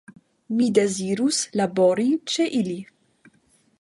Mi dezirus labori ĉe ili.